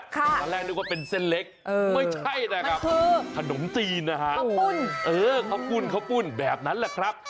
กระดูกว่าเป็นเส้นเล็กไม่ใช่นะครับมันคือขนมจีนข้าวปุ่นแบบนั้นแหละครับ